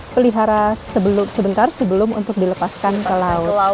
pelihara sebentar sebelum untuk dilepaskan ke laut